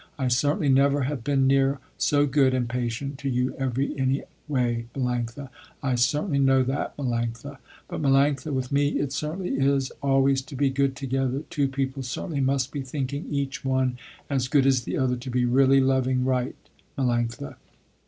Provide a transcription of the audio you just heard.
I certainly never have been near so good and patient to you every any way Melanctha, I certainly know that Melanctha. But Melanctha, with me, it certainly is, always to be good together, two people certainly must be thinking each one as good as the other, to be really loving right Melanctha.